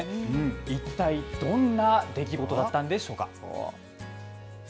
一体どんな出来事だったんでしょうか。